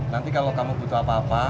nanti kalau kamu butuh apa apa